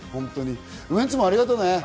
ウエンツもありがとね。